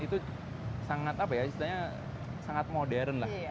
itu sangat apa ya istilahnya sangat modern lah